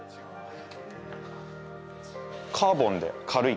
カーボンで軽い。